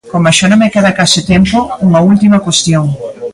Como xa non me queda case tempo, unha última cuestión.